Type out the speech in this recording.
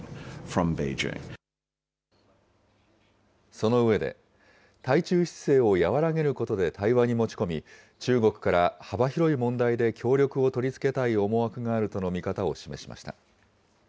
その上で、対中姿勢を和らげることで対話に持ち込み、中国から幅広い問題で協力を取り付けたい思惑があるとの見方を示しました。